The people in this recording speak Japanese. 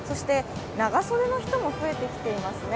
長袖の人も増えてきていますね。